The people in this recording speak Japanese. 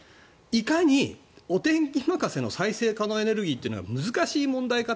いかにお天気任せの再生可能エネルギーというのが難しい問題か